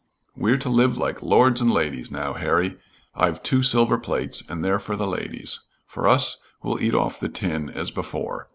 "We're to live like lords and ladies, now, Harry. I've two silver plates, and they're for the ladies. For us, we'll eat off the tin as before.